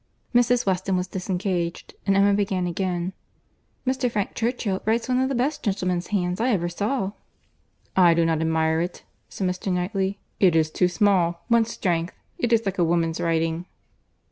Mrs. Weston was disengaged and Emma began again—"Mr. Frank Churchill writes one of the best gentleman's hands I ever saw." "I do not admire it," said Mr. Knightley. "It is too small—wants strength. It is like a woman's writing."